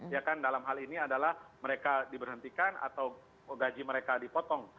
ya kan dalam hal ini adalah mereka diberhentikan atau gaji mereka dipotong